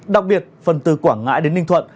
đặc biệt phần từ quảng ngãi đến ninh thuận